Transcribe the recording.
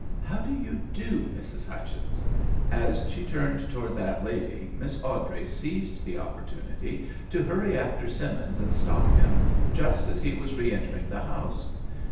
How do you do, Mrs. Hutchins ?" As she turned towards that lady Miss Awdrey seized the opportunity to hurry after Simmins and stop him just as he was re entering the house.